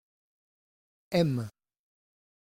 Aime.